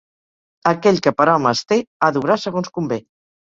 Aquell que per home es té, ha d'obrar segons convé.